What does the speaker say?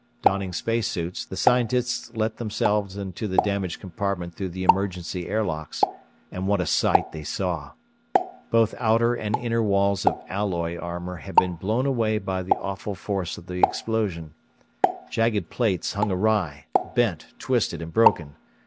Donning space suits, the scientists let themselves into the damaged compartment through the emergency air locks, and what a sight they saw! Both outer and inner walls of alloy armor had been blown away by the awful force of the explosion. Jagged plates hung awry; bent, twisted, and broken.